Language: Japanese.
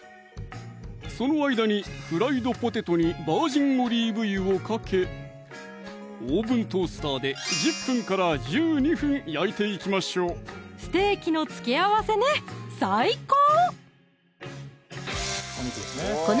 その間にフライドポテトにバージンオリーブ油をかけオーブントースターで１０分１２分焼いていきましょうステーキの付け合わせね最高！